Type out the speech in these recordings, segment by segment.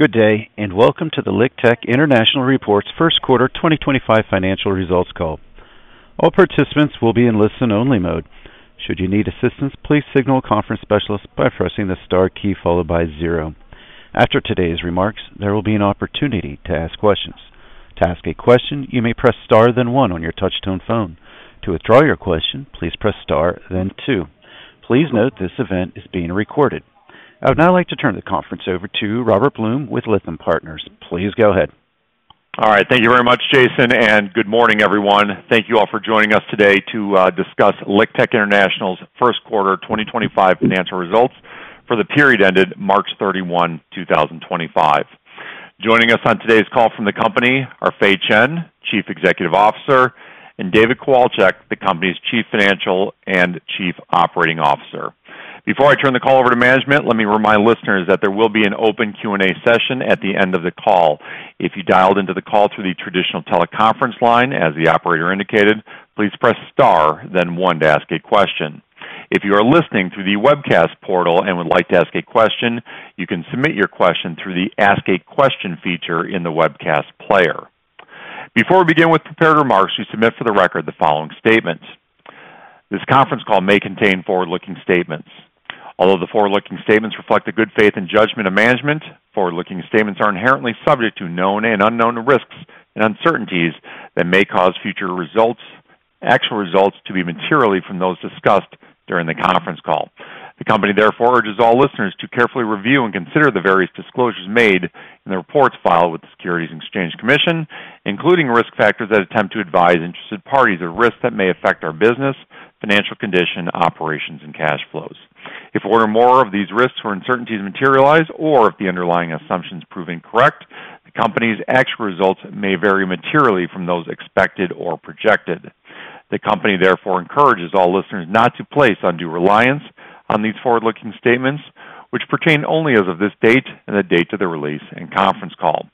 Good day, and welcome to the LiqTech International Reports First Quarter 2025 Financial Results Call. All participants will be in listen-only mode. Should you need assistance, please signal a conference specialist by pressing the Star key followed by zero. After today's remarks, there will be an opportunity to ask questions. To ask a question, you may press Star then one on your touch-tone phone. To withdraw your question, please press Star then two. Please note this event is being recorded. I would now like to turn the conference over to Robert Blum with Lithium Partners. Please go ahead. All right. Thank you very much, Jason, and good morning, everyone. Thank you all for joining us today to discuss LiqTech International's First Quarter 2025 Financial Results for the period ended March 31, 2025. Joining us on today's call from the company are Fei Chen, Chief Executive Officer, and David Kowalczyk, the company's Chief Financial and Chief Operating Officer. Before I turn the call over to management, let me remind listeners that there will be an open Q&A session at the end of the call. If you dialed into the call through the traditional teleconference line, as the operator indicated, please press Star then one to ask a question. If you are listening through the webcast portal and would like to ask a question, you can submit your question through the Ask a Question feature in the webcast player. Before we begin with prepared remarks, we submit for the record the following statements. This conference call may contain forward-looking statements. Although the forward-looking statements reflect the good faith and judgment of management, forward-looking statements are inherently subject to known and unknown risks and uncertainties that may cause future results, actual results, to be materially different from those discussed during the conference call. The company, therefore, urges all listeners to carefully review and consider the various disclosures made in the reports filed with the Securities and Exchange Commission, including risk factors that attempt to advise interested parties of risks that may affect our business, financial condition, operations, and cash flows. If one or more of these risks or uncertainties materialize, or if the underlying assumptions prove incorrect, the company's actual results may vary materially from those expected or projected. The company, therefore, encourages all listeners not to place undue reliance on these forward-looking statements, which pertain only as of this date and the date of the release and conference call.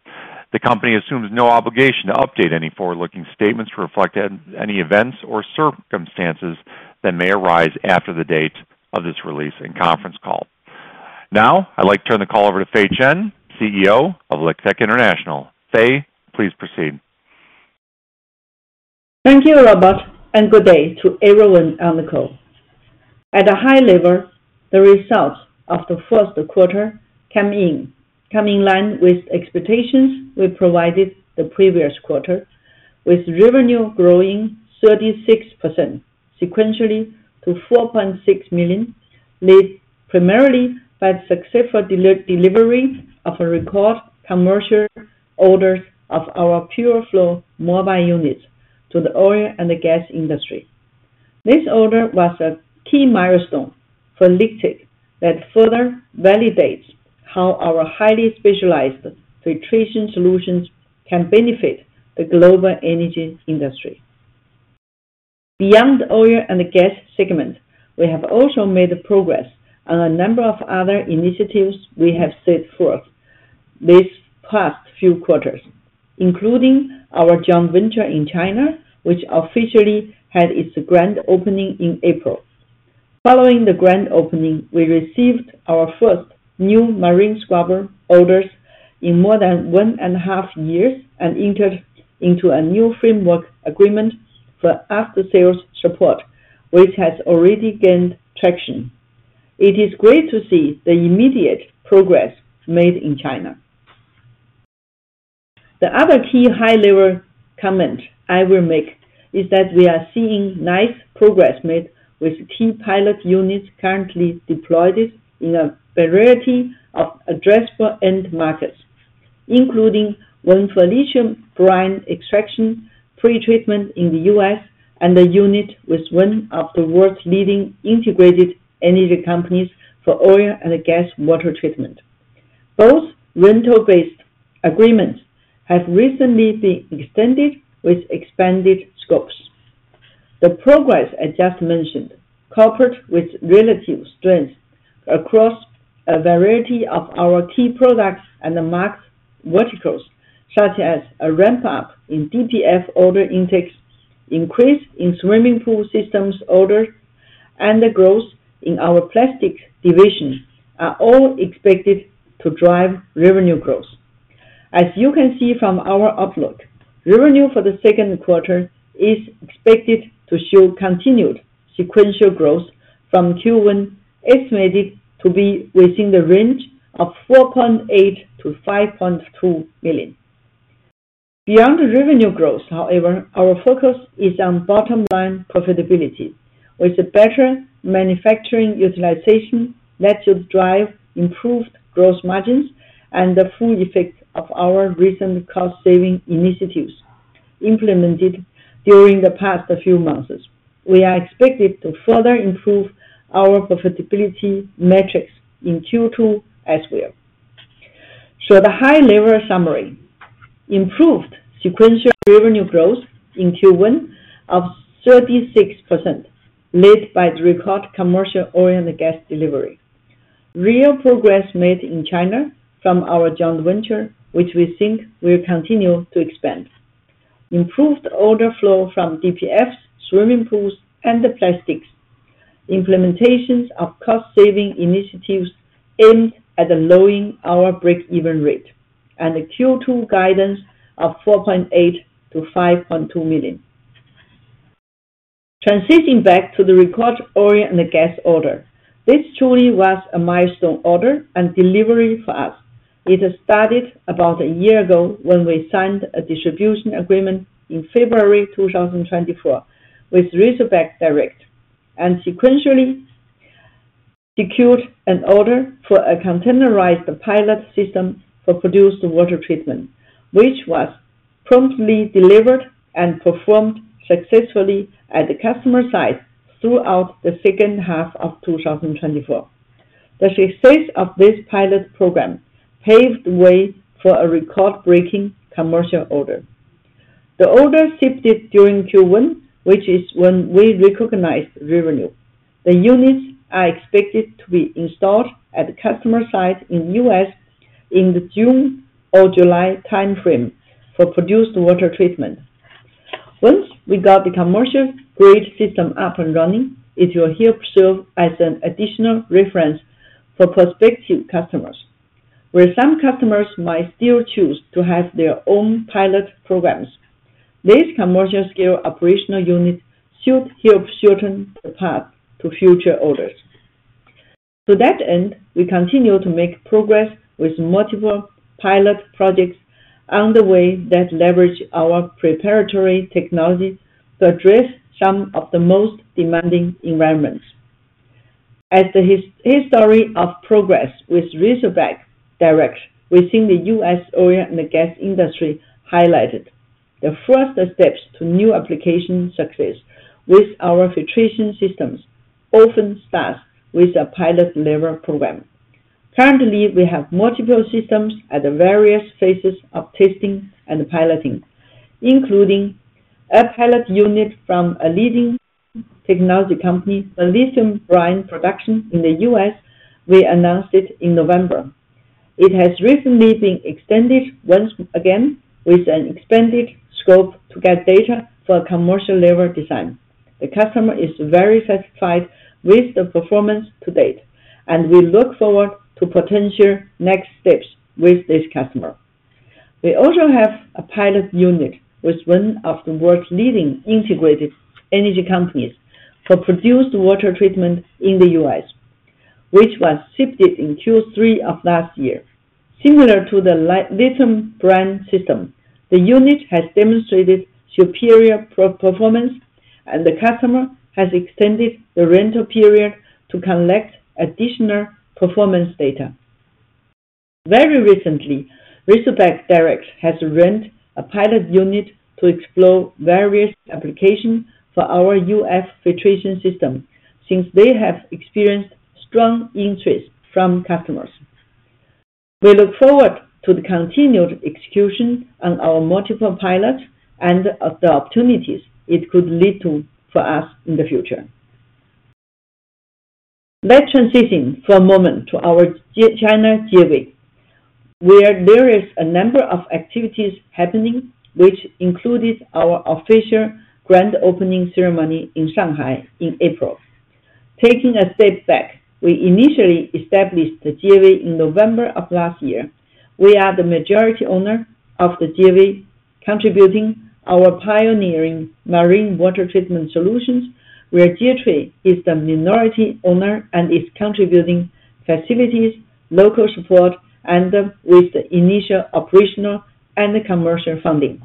The company assumes no obligation to update any forward-looking statements to reflect any events or circumstances that may arise after the date of this release and conference call. Now, I'd like to turn the call over to Fei Chen, CEO of LiqTech International. Fei, please proceed. Thank you, Robert, and good day to everyone on the call. At a high level, the results of the first quarter came in line with expectations we provided the previous quarter, with revenue growing 36% sequentially to $4.6 million, led primarily by the successful delivery of a record commercial order of our PureFlow mobile units to the oil and gas industry. This order was a key milestone for LiqTech that further validates how our highly specialized filtration solutions can benefit the global energy industry. Beyond oil and gas segment, we have also made progress on a number of other initiatives we have set forth these past few quarters, including our joint venture in China, which officially had its grand opening in April. Following the grand opening, we received our first new marine scrubber orders in more than one and a half years and entered into a new framework agreement for after-sales support, which has already gained traction. It is great to see the immediate progress made in China. The other key high-level comment I will make is that we are seeing nice progress made with key pilot units currently deployed in a variety of addressable end markets, including one for lithium brine extraction pretreatment in the US and a unit with one of the world's leading integrated energy companies for oil and gas water treatment. Both rental-based agreements have recently been extended with expanded scopes. The progress I just mentioned cooperates with relative strength across a variety of our key products and the market verticals, such as a ramp-up in DPF order intakes, increase in swimming pool systems orders, and the growth in our plastics division are all expected to drive revenue growth. As you can see from our upload, revenue for the second quarter is expected to show continued sequential growth from Q1 estimated to be within the range of $4.8 million-$5.2 million. Beyond the revenue growth, however, our focus is on bottom-line profitability, with better manufacturing utilization that should drive improved gross margins and the full effect of our recent cost-saving initiatives implemented during the past few months. We are expected to further improve our profitability metrics in Q2 as well. So the high-level summary, improved sequential revenue growth in Q1 of 36%, led by the record commercial oil and gas delivery. Real progress made in China from our joint venture, which we think will continue to expand. Improved order flow from DPFs, swimming pools, and the plastics. Implementations of cost-saving initiatives aimed at lowering our break-even rate and Q2 guidance of $4.8 million-$5.2 million. Transitioning back to the record oil and the gas order, this truly was a milestone order and delivery for us. It started about a year ago when we signed a distribution agreement in February 2024 with Rizobac Direct and sequentially secured an order for a containerized pilot system for produced water treatment, which was promptly delivered and performed successfully at the customer's site throughout the second half of 2024. The success of this pilot program paved the way for a record-breaking commercial order. The order shifted during Q1, which is when we recognized revenue. The units are expected to be installed at the customer's site in the U.S. in the June or July timeframe for produced water treatment. Once we got the commercial-grade system up and running, it will help serve as an additional reference for prospective customers, where some customers might still choose to have their own pilot programs. This commercial-scale operational unit should help shorten the path to future orders. To that end, we continue to make progress with multiple pilot projects on the way that leverage our preparatory technology to address some of the most demanding environments. As the history of progress with Rizobac Direct within the U.S. oil and the gas industry highlighted, the first steps to new application success with our filtration systems often start with a pilot-level program. Currently, we have multiple systems at the various phases of testing and piloting, including a pilot unit from a leading technology company, the lithium brine production in the U.S. We announced it in November. It has recently been extended once again with an expanded scope to get data for a commercial-level design. The customer is very satisfied with the performance to date, and we look forward to potential next steps with this customer. We also have a pilot unit with one of the world's leading integrated energy companies for produced water treatment in the U.S., which was shipped in Q3 of last year. Similar to the lithium brine system, the unit has demonstrated superior performance, and the customer has extended the rental period to collect additional performance data. Very recently, Rizobac Direct has rented a pilot unit to explore various applications for our UF filtration system since they have experienced strong interest from customers. We look forward to the continued execution on our multiple pilots and of the opportunities it could lead to for us in the future. Let's transition for a moment to our China GAW, where there is a number of activities happening, which included our official grand opening ceremony in Shanghai in April. Taking a step back, we initially established the GAW in November of last year. We are the majority owner of the GAW, contributing our pioneering marine water treatment solutions, where Geotree is the minority owner and is contributing facilities, local support, and with the initial operational and the commercial funding.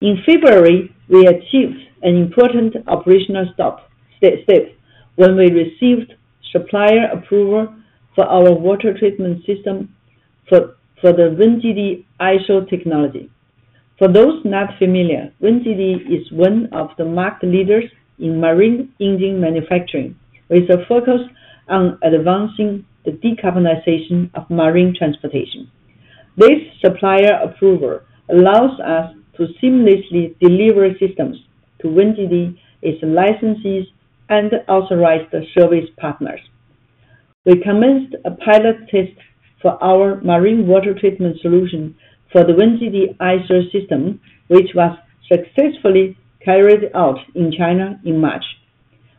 In February, we achieved an important operational stop steps when we received supplier approval for our water treatment system for the WinGD ISO technology. For those not familiar, WinGD is one of the market leaders in marine engine manufacturing, with a focus on advancing the decarbonization of marine transportation. This supplier approval allows us to seamlessly deliver systems to WinGD, its licensees, and authorized service partners. We commenced a pilot test for our marine water treatment solution for the WinGD ISO system, which was successfully carried out in China in March.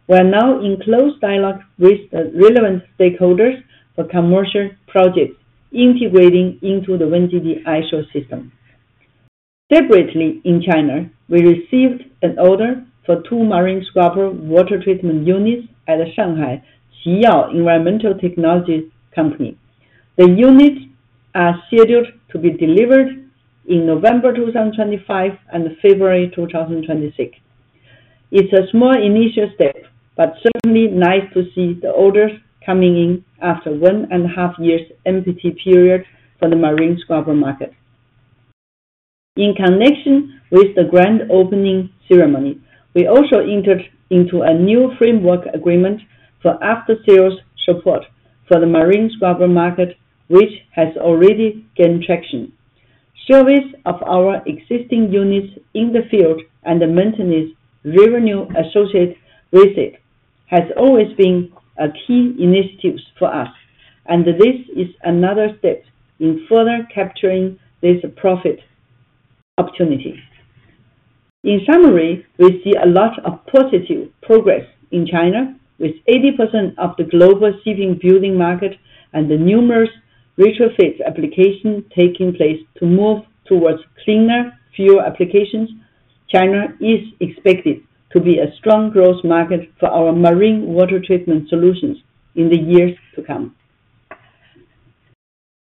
We are now in close dialogue with the relevant stakeholders for commercial projects integrating into the WinGD ISO system. Separately, in China, we received an order for two marine scrubber water treatment units at the Shanghai Qiyao Environmental Technology Company. The units are scheduled to be delivered in November 2025 and February 2026. It's a small initial step, but certainly nice to see the orders coming in after one and a half years' empty period for the marine scrubber market. In connection with the grand opening ceremony, we also entered into a new framework agreement for after-sales support for the marine scrubber market, which has already gained traction. Service of our existing units in the field and the maintenance revenue associated with it has always been a key initiatives for us, and this is another step in further capturing this profit opportunity. In summary, we see a lot of positive progress in China, with 80% of the global shipping building market and the numerous retrofits applications taking place to move towards cleaner fuel applications. China is expected to be a strong growth market for our marine water treatment solutions in the years to come.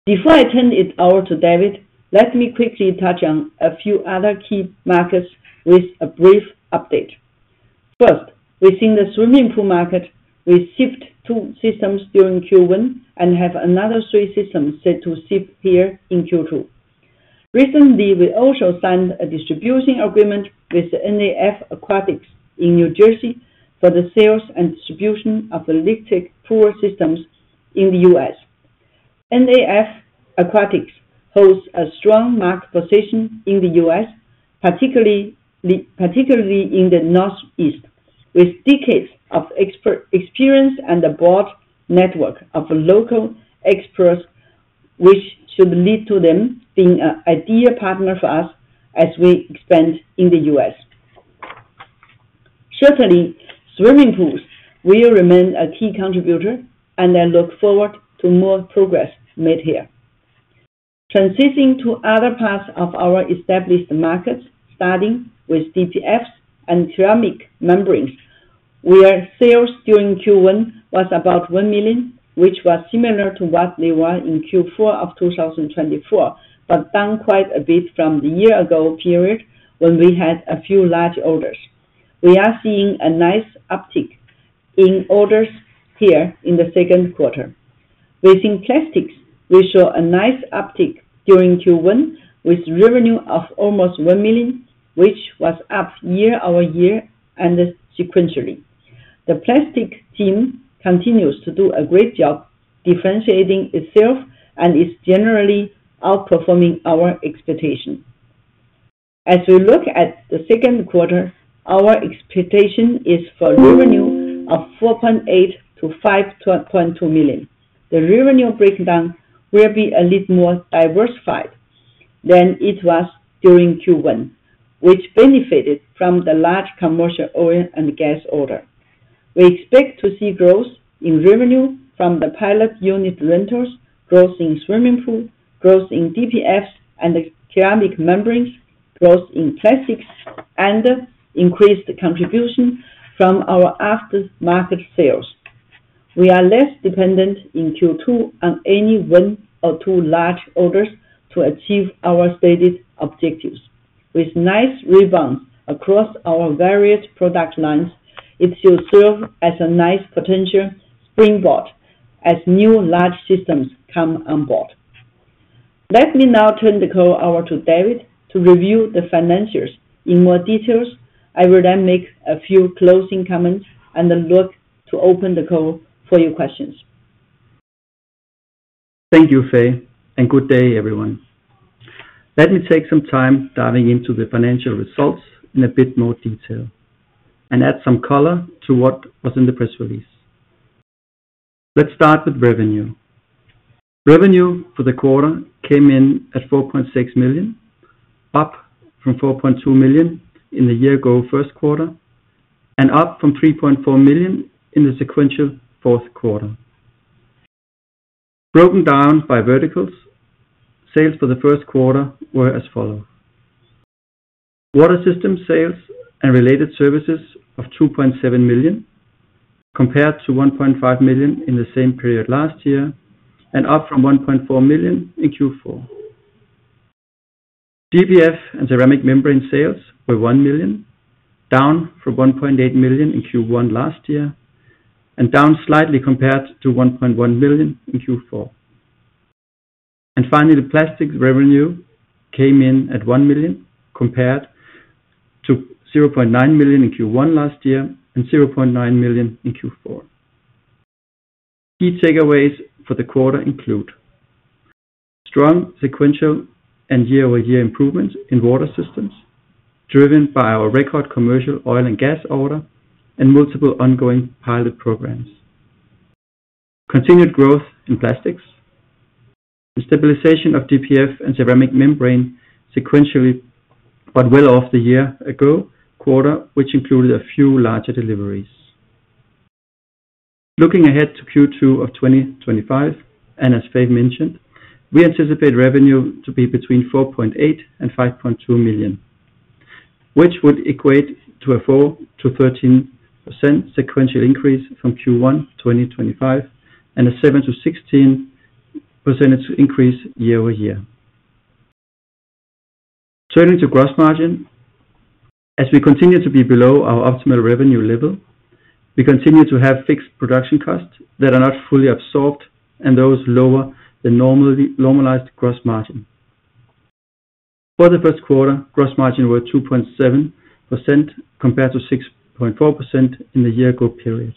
Before I turn it over to David, let me quickly touch on a few other key markets with a brief update. First, we see the swimming pool market. We shipped two systems during Q1 and have another three systems set to ship here in Q2. Recently, we also signed a distribution agreement with NAF Aquatics in New Jersey for the sales and distribution of the LiqTech pool systems in the U.S. NAF Aquatics holds a strong market position in the U.S., particularly in the Northeast, with decades of experience and a broad network of local experts, which should lead to them being an ideal partner for us as we expand in the U.S. Certainly, swimming pools will remain a key contributor, and I look forward to more progress made here. Transitioning to other parts of our established markets, starting with DPFs and ceramic membranes, where sales during Q1 was about $1 million, which was similar to what they were in Q4 of 2024, but down quite a bit from the year-ago period when we had a few large orders. We are seeing a nice uptick in orders here in the second quarter. Within plastics, we saw a nice uptick during Q1 with revenue of almost $1 million, which was up year-over-year and sequentially. The plastics team continues to do a great job differentiating itself and is generally outperforming our expectation. As we look at the second quarter, our expectation is for revenue of $4.8 million-$5.2 million. The revenue breakdown will be a little more diversified than it was during Q1, which benefited from the large commercial oil and gas order. We expect to see growth in revenue from the pilot unit rentals, growth in swimming pool, growth in DPFs and ceramic membranes, growth in plastics, and increased contribution from our after-market sales. We are less dependent in Q2 on any one or two large orders to achieve our stated objectives. With nice rebounds across our various product lines, it should serve as a nice potential springboard as new large systems come on board. Let me now turn the call over to David to review the financials in more detail. I will then make a few closing comments and then look to open the call for your questions. Thank you, Fei, and good day, everyone. Let me take some time diving into the financial results in a bit more detail and add some color to what was in the press release. Let's start with revenue. Revenue for the quarter came in at $4.6 million, up from $4.2 million in the year-ago first quarter and up from $3.4 million in the sequential fourth quarter. Broken down by verticals, sales for the first quarter were as follows: water system sales and related services of $2.7 million compared to $1.5 million in the same period last year and up from $1.4 million in Q4. DPF and ceramic membrane sales were $1 million, down from $1.8 million in Q1 last year and down slightly compared to $1.1 million in Q4. Finally, the plastics revenue came in at $1 million compared to $0.9 million in Q1 last year and $0.9 million in Q4. Key takeaways for the quarter include strong sequential and year-over-year improvements in water systems driven by our record commercial oil and gas order and multiple ongoing pilot programs. Continued growth in plastics and stabilization of DPF and ceramic membrane sequentially, but well off the year-ago quarter, which included a few larger deliveries. Looking ahead to Q2 of 2025, and as Fei mentioned, we anticipate revenue to be between $4.8 million and $5.2 million, which would equate to a 4%-13% sequential increase from Q1 2025 and a 7%-16% increase year-over-year. Turning to gross margin, as we continue to be below our optimal revenue level, we continue to have fixed production costs that are not fully absorbed and those lower than normalized gross margin. For the first quarter, gross margin was 2.7% compared to 6.4% in the year-ago period.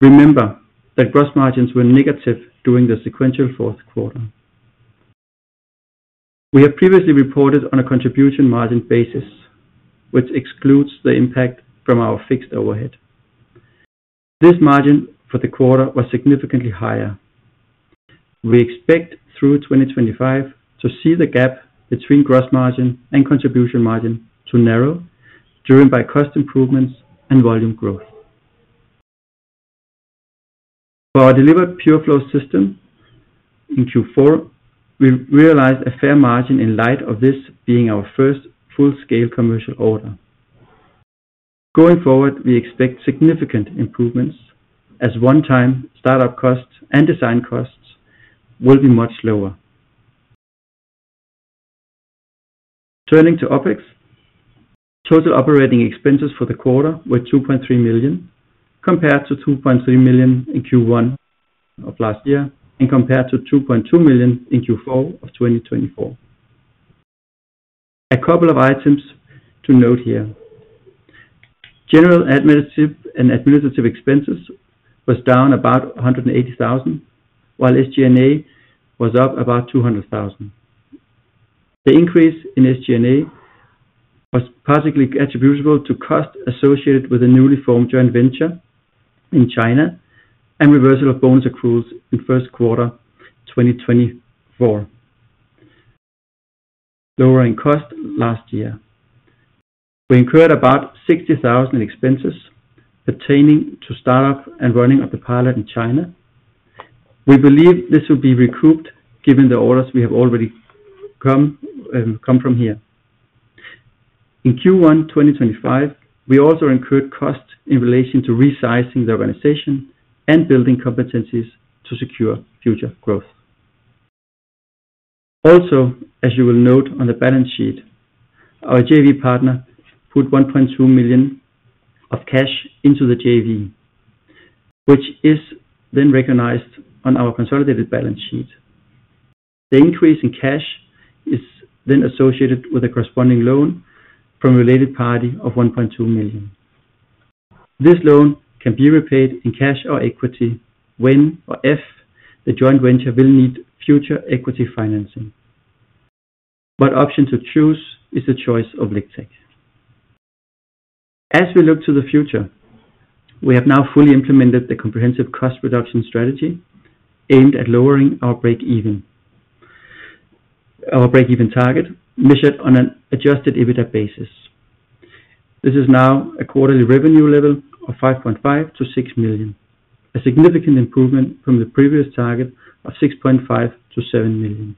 Remember that gross margins were negative during the sequential fourth quarter. We have previously reported on a contribution margin basis, which excludes the impact from our fixed overhead. This margin for the quarter was significantly higher. We expect through 2025 to see the gap between gross margin and contribution margin to narrow during by cost improvements and volume growth. For our delivered PureFlow system in Q4, we realized a fair margin in light of this being our first full-scale commercial order. Going forward, we expect significant improvements as one-time startup costs and design costs will be much lower. Turning to OpEx, total operating expenses for the quarter were $2.3 million compared to $2.3 million in Q1 of last year and compared to $2.2 million in Q4 of 2024. A couple of items to note here: general and administrative expenses was down about $180,000, while SG&A was up about $200,000. The increase in SG&A was partly attributable to costs associated with a newly formed joint venture in China and reversal of bonus accruals in first quarter 2024, lowering costs last year. We incurred about $60,000 in expenses pertaining to startup and running of the pilot in China. We believe this will be recouped given the orders we have already come come from here. In Q1 2025, we also incurred costs in relation to resizing the organization and building competencies to secure future growth. Also, as you will note on the balance sheet, our joint venture partner put $1.2 million of cash into the joint venture, which is then recognized on our consolidated balance sheet. The increase in cash is then associated with a corresponding loan from a related party of $1.2 million. This loan can be repaid in cash or equity when or if the joint venture will need future equity financing. The option to choose is the choice of LiqTech. As we look to the future, we have now fully implemented the comprehensive cost reduction strategy aimed at lowering our break-even. Our break-even target measured on an adjusted EBITDA basis. This is now a quarterly revenue level of $5.5 million-$6 million, a significant improvement from the previous target of $6.5 million-$7 million.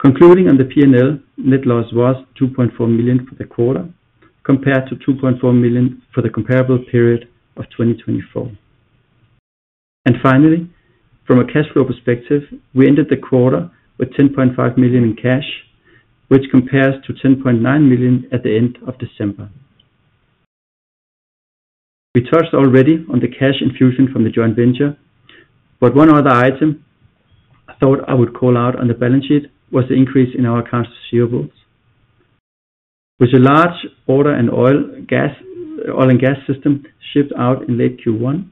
Concluding on the P&L, net loss was $2.4 million for the quarter compared to $2.4 million for the comparable period of 2024. Finally, from a cash flow perspective, we ended the quarter with $10.5 million in cash, which compares to $10.9 million at the end of December. We touched already on the cash infusion from the joint venture, but one other item I thought I would call out on the balance sheet was the increase in our accounts receivables. With a large order and oil and gas system shipped out in late Q1,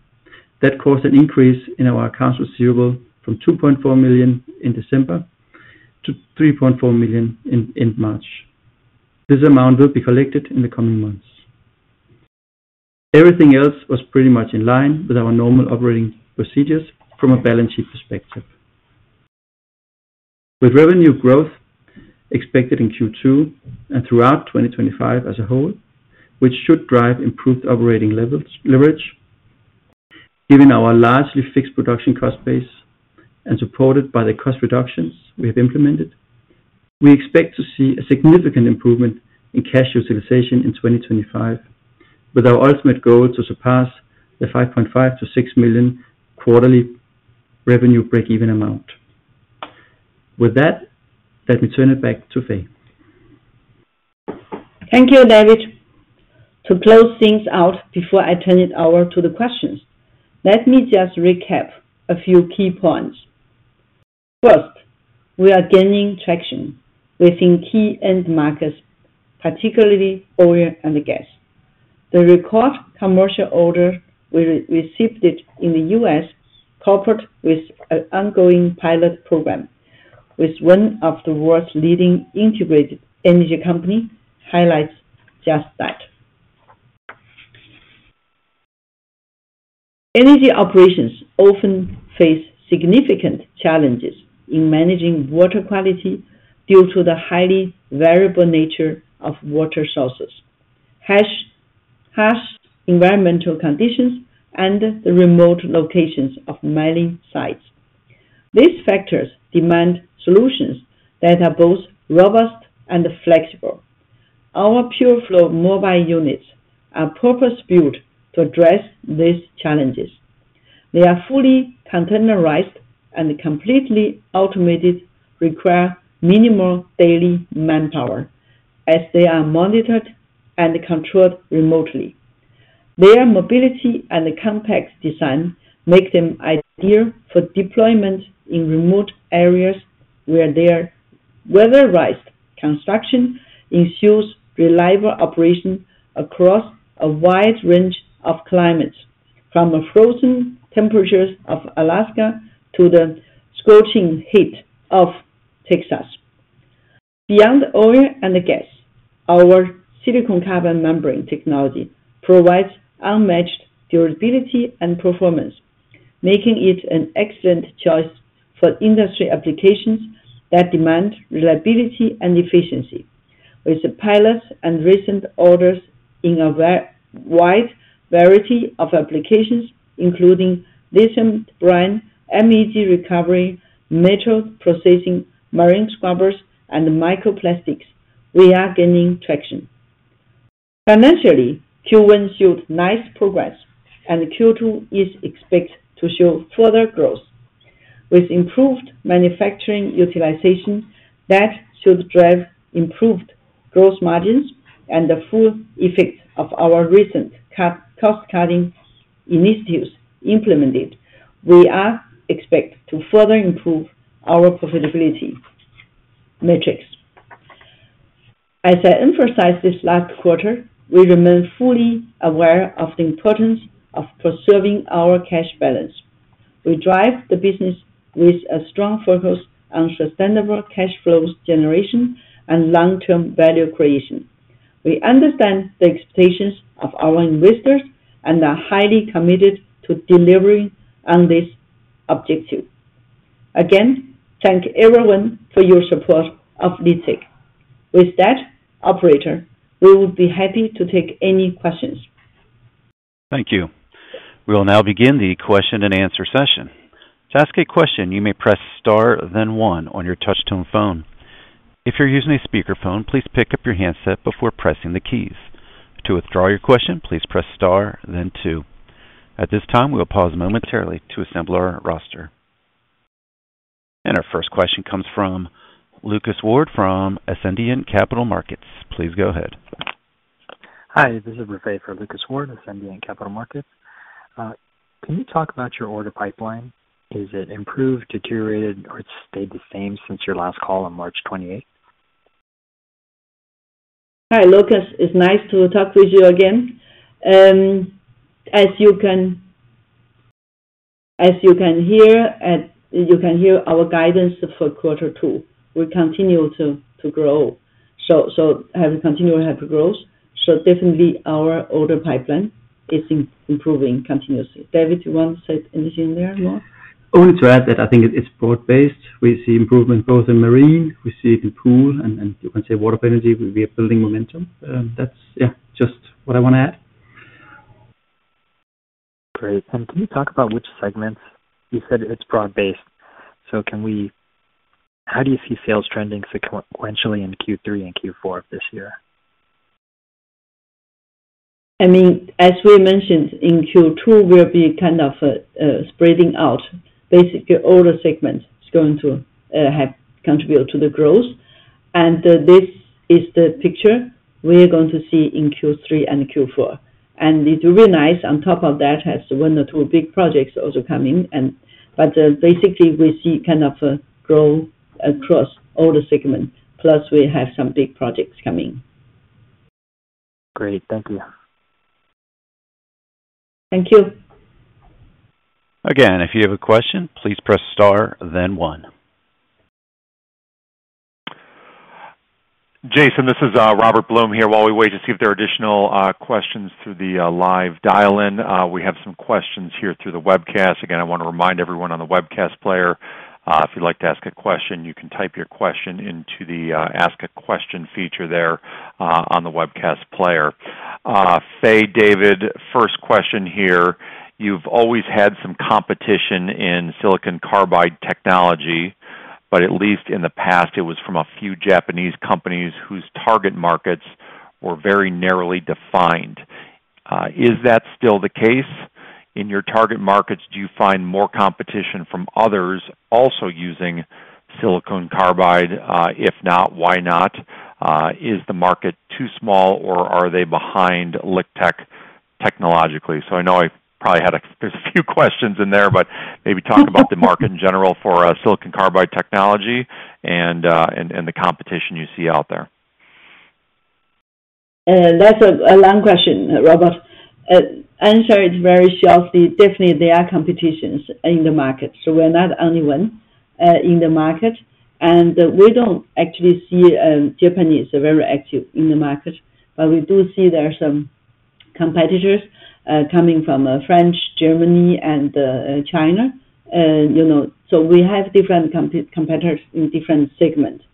that caused an increase in our accounts receivable from $2.4 million in December to $3.4 million in March. This amount will be collected in the coming months. Everything else was pretty much in line with our normal operating procedures from a balance sheet perspective. With revenue growth expected in Q2 and throughout 2025 as a whole, which should drive improved operating leverage, given our largely fixed production cost base and supported by the cost reductions we have implemented, we expect to see a significant improvement in cash utilization in 2025, with our ultimate goal to surpass the $5.5 million-$6 million quarterly revenue break-even amount. With that, let me turn it back to Fei. Thank you, David. To close things out before I turn it over to the questions, let me just recap a few key points. First, we are gaining traction within key end markets, particularly oil and gas. The record commercial order we received in the U.S., coupled with an ongoing pilot program with one of the world's leading integrated energy companies, highlights just that. Energy operations often face significant challenges in managing water quality due to the highly variable nature of water sources, harsh harsh environmental conditions, and the remote locations of mining sites. These factors demand solutions that are both robust and flexible. Our PureFlow mobile units are purpose-built to address these challenges. They are fully containerized and completely automated, requiring minimal daily manpower, as they are monitored and controlled remotely. Their mobility and compact design make them ideal for deployment in remote areas where their weatherized construction ensures reliable operation across a wide range of climates, from the frozen temperatures of Alaska to the scorching heat of Texas. Beyond oil and gas, our silicon carbide membrane technology provides unmatched durability and performance, making it an excellent choice for industry applications that demand reliability and efficiency. With pilots and recent orders in a wide variety of applications, including lithium brine, MEG recovery, metal processing, marine scrubbers, and microplastics, we are gaining traction. Financially, Q1 showed nice progress, and Q2 is expected to show further growth. With improved manufacturing utilization that should drive improved gross margins and the full effect of our recent cost-cutting initiatives implemented, we are expected to further improve our profitability metrics. As I emphasized this last quarter, we remain fully aware of the importance of preserving our cash balance. We drive the business with a strong focus on sustainable cash flow generation and long-term value creation. We understand the expectations of our investors and are highly committed to delivering on this objective. Again, thank everyone for your support of LiqTech. With that, operator, we would be happy to take any questions. Thank you. We will now begin the Q&A session. To ask a question, you may press Star, then one on your touch-tone phone. If you're using a speakerphone, please pick up your handset before pressing the keys. To withdraw your question, please press Star, then two. At this time, we will pause momentarily to assemble our roster. Our first question comes from Lucas Ward from Ascendiant Capital Markets. Please go ahead. Hi, this is Rufei from Lucas Ward of Ascendiant Capital Markets. Can you talk about your order pipeline? Is it improved, deteriorated, or it stayed the same since your last call on March 28? Hi, Lucas. It's nice to talk with you again. And as you can as you can hear, you can hear our guidance for quarter two. We continue to grow. So so have continued hypergrowth. So definitely, our order pipeline is improving continuously. David, do you want to say anything there more? Only to add that I think it's broad-based. We see improvement both in marine. We see it in pool and, you can say, water energy. We are building momentum. That's, yeah, just what I want to add. Great. And can you talk about which segments? You said it's broad-based. So can we how do you see sales trending sequentially in Q3 and Q4 of this year? I mean, as we mentioned, in Q2, we'll be kind of spreading out. Basically, all the segments is going to are going to contribute to the growth. And this is the picture we are going to see in Q3 and Q4. And it will be nice on top of that, as one or two big projects also come in. And and basically, we see kind of growth across all the segments. Plus, we have some big projects coming. Great. Thank you. Thank you. Again, if you have a question, please press Star, then 1one Jason, this is Robert Blum here. While we wait to see if there are additional questions through the live dial-in, we have some questions here through the webcast. Again, I want to remind everyone on the webcast player, if you'd like to ask a question, you can type your question into the ask a question feature there on the webcast player. Fei, David, first question here. You've always had some competition in silicon carbide technology, but at least in the past, it was from a few Japanese companies whose target markets were very narrowly defined. Is that still the case? In your target markets, do you find more competition from others also using silicon carbide? If not, why not? Is the market too small, or are they behind LiqTech technologically? So I know I I probably had a few questions in there, but maybe talk about the market in general for silicon carbide technology and the and the competition you see out there. That is a long question, Robert. Answer it very shortly. Definitely, there are competitions in the market. So we are not the only one in the market. And we don't actually see Japanese very active in the market. But we do see there are some competitors coming from France, Germany, and China. You know so we have different competitors in different segments.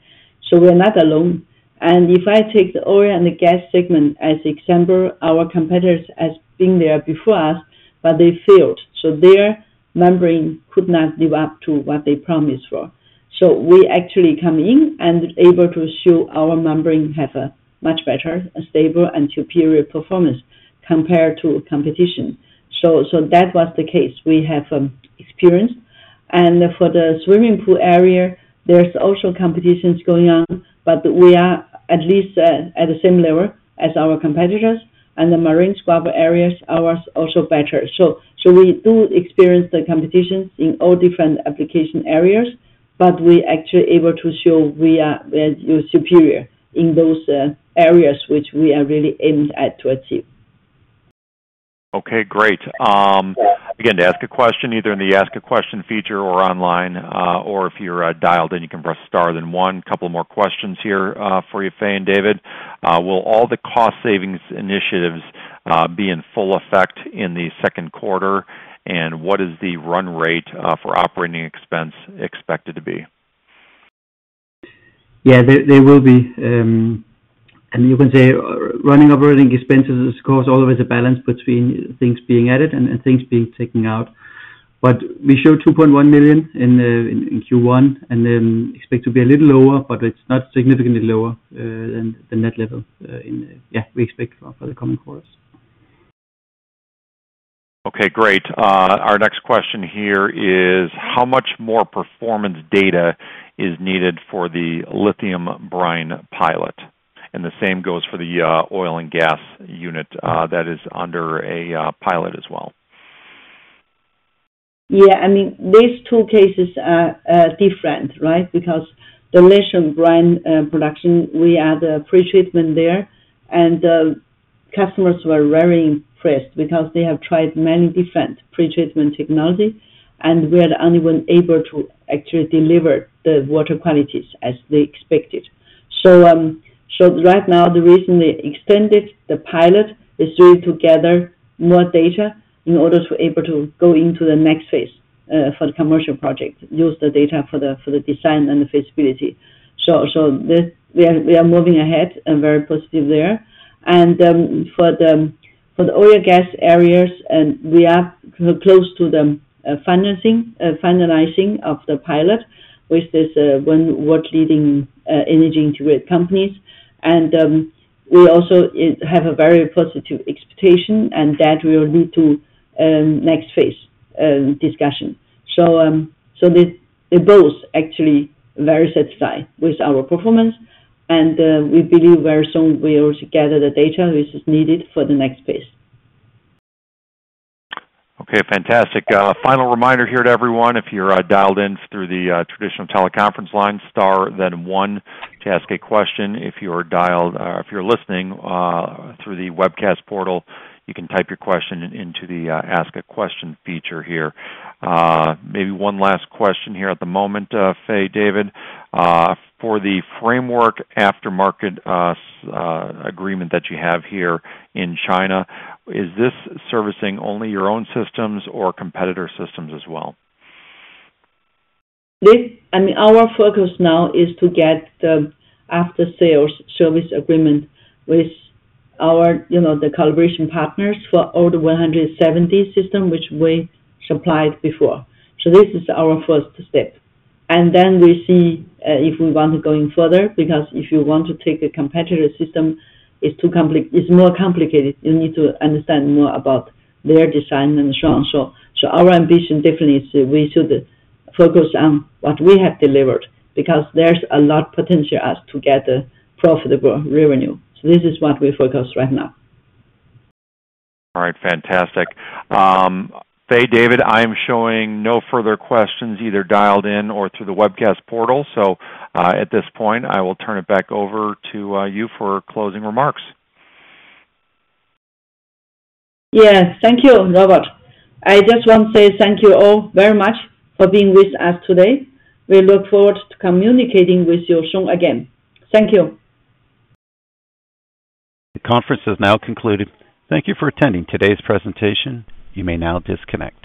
So we are not alone. And if I take the oil and the gas segment as an example, our competitors have been there before us, but they failed. So their membrane could not live up to what they promised for. So we actually come in and was able to show our membrane have a much better, stable, and superior performance compared to competition. So so that was the case we have experienced. And for the swimming pool area, there is also competition going on, but we are at least at the same level as our competitors. And in the marine scrubber areas, ours is also better. So so we do experience the competition in all different application areas, but we are actually able to show we are superior in those areas which we are really aimed at to achieve. Okay. Great. Again, to ask a question, either in the ask a question feature or online, or if you are dialed, then you can press Star, then one. A couple more questions here for you, Fei and David. Will all the cost savings initiatives be in full effect in the second quarter? And what is the run rate for operating expense expected to be? Yeah, they will be. You can say running operating expenses is, of course, always a balance between things being added and things being taken out. But we showed $2.1 million in in Q1 and then expect to be a little lower, but it's not significantly lower than that level in, yeah, we expect for the coming quarters. Okay. Great. Our next question here is, how much more performance data is needed for the lithium brine pilot? And the same goes for the oil and gas unit that is under a pilot as well. Yeah. I mean, these two cases are different, right? Because the lithium brine production, we had a pre-treatment there, and the customers were very impressed because they have tried many different pre-treatment technologies, and we are the only one able to actually deliver the water qualities as they expected. So so right now, the reason we extended the pilot is to gather more data in order to be able to go into the next phase for the commercial project, use the data for the design and the feasibility. So so we we are moving ahead and very positive there. And for the for the oil and gas areas, and we are close to the finalizing of the pilot with these world-leading energy integrated companies. We also have a very positive expectation and that will lead to next phase discussion. So so they they both actually are very satisfied with our performance, and we believe very soon we will gather the data which is needed for the next phase. Okay. Fantastic. Final reminder here to everyone, if you're dialed in through the traditional teleconference line, star, then one, to ask a question. If you're dialed if you're listening through the webcast portal, you can type your question into the ask a question feature here. Maybe one last question here at the moment, Fei and David. For the framework aftermarket agreement that you have here in China, is this servicing only your own systems or competitor systems as well? I mean, our focus now is to get the after-sales service agreement with our you know the collaboration partners for all the 170 systems which we supplied before. So this is our first step. And then we see if we want to go further, because if you want to take a competitor system, it's more complicated. You need to understand more about their design and so on. Our ambition definitely is we should focus on what we have delivered because there is a lot of potential to get profitable revenue. This is what we focus on right now. All right. Fantastic. Fei, David, I am showing no further questions, either dialed in or through the webcast portal. So at this point, I will turn it back over to you for closing remarks. Yes. Thank you, Robert. I just want to say thank you all very much for being with us today. We look forward to communicating with you soon again. Thank you. The conference has now concluded. Thank you for attending today's presentation. You may now disconnect.